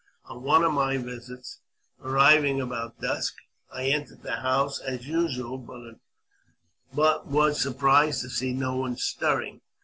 On one of my visits, arriving about dusk, I entered the house as usual, but was surprised to see no one stirring.